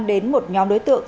đến một nhóm đối tượng